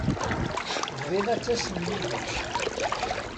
Bɣiɣ ad d-tasem yid-i.